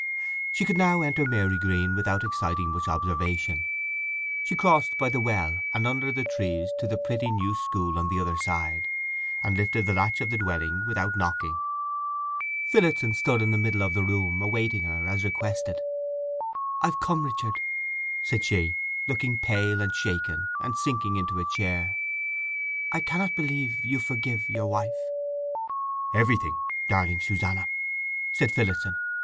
She could now enter Marygreen without exciting much observation. She crossed by the well and under the trees to the pretty new school on the other side, and lifted the latch of the dwelling without knocking. Phillotson stood in the middle of the room, awaiting her, as requested. "I've come, Richard," said she, looking pale and shaken, and sinking into a chair. "I cannot believe—you forgive your—wife!" "Everything, darling Susanna," said Phillotson.